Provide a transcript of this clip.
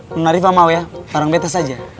nona riva mau ya bareng betes aja